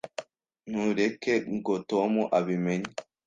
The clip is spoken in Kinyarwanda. Ntureke ngo Tom abimenye.